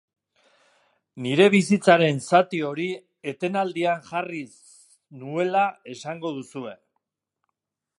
Nire bizitzaren zati hori etenaldian jarri nuela esango duzue.